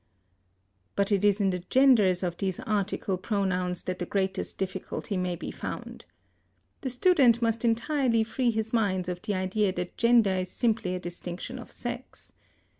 But it is in the genders of these article pronouns that the greatest difficulty may be found. The student must entirely free his mind of the idea that gender is simply a distinction of sex.